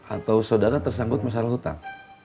atau saudara tersangkut masalah hutang